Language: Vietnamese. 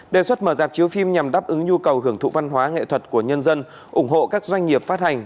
đề xuất mở dạp chiếu phim nhằm đáp ứng nhu cầu hưởng thụ văn hóa nghệ thuật của nhân dân ủng hộ các doanh nghiệp phát hành